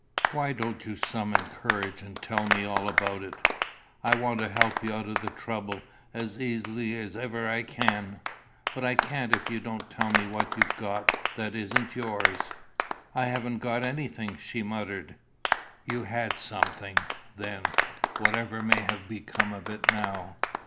Why don't you summon courage and tell me all about it? I want to help you out of the trouble as easily as ever I can; but I can't if you don't tell me what you've got that isn't yours." "I haven't got anything," she muttered. "You had something, then, whatever may have become of it now."